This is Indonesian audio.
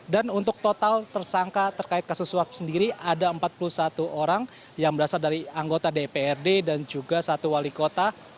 dan untuk total tersangka terkait kasus suap sendiri ada empat puluh satu orang yang berasal dari anggota dprd dan juga satu wali kota